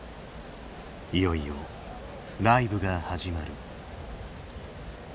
いよいよライブが始まる。